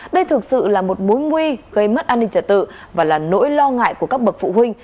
đây thực sự là một mối nguy gây mất an ninh trả tự và là nỗi lo ngại của các bậc phụ huynh